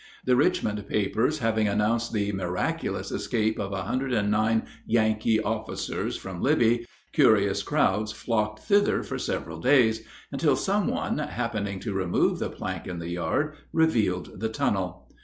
The Richmond papers having announced the "miraculous" escape of 109 Yankee officers from Libby, curious crowds flocked thither for several days, until some one, happening to remove the plank in the yard, revealed the tunnel.